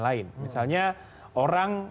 lain misalnya orang